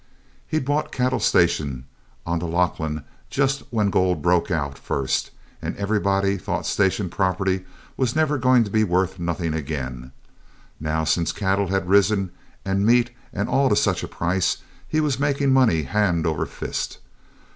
He'd bought cattle stations on the Lachlan just when the gold broke out first, and everybody thought station property was never going to be worth nothing again. Now, since cattle had risen and meat and all to such a price, he was making money hand over fist.